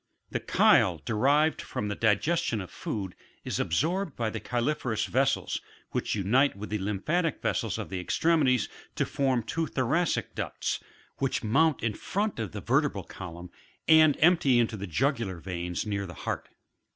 37. The chyle, derived from the digestion of food, is absorbed by the chyliferous vessels, which unite with the lymphatic vessels of the extremities to form two thoracic ducts, which mount in front of the vertebral column, and empty into the jugular veins, near the heart.